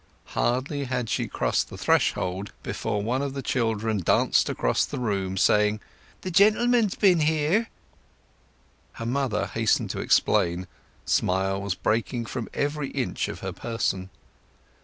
Hardly had she crossed the threshold before one of the children danced across the room, saying, "The gentleman's been here!" Her mother hastened to explain, smiles breaking from every inch of her person.